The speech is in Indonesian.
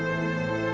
saya udah nggak peduli